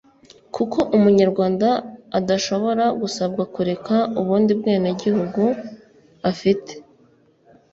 kuko Umunyarwanda adashobora gusabwa kureka ubundi bwenegihugu afite